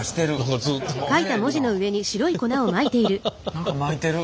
何かまいてる。